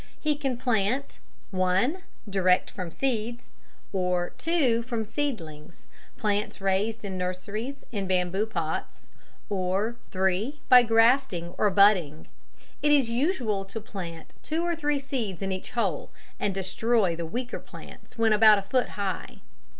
He can plant (1) direct from seeds, or (2) from seedlings plants raised in nurseries in bamboo pots, or (3) by grafting or budding. It is usual to plant two or three seeds in each hole, and destroy the weaker plants when about a foot high.